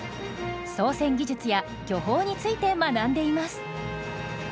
操船技術や漁法について学んでいます。